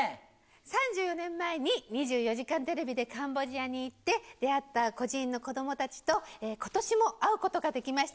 ３４年前に２４時間テレビでカンボジアに行って、出会った孤児院の子どもたちと、ことしも会うことができました。